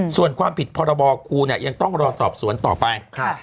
ส่วนความผิดพระบอกูยังต้องรอสอบสวนต่อไป